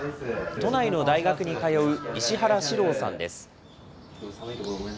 都内の大学に通う、石原志朗さんです。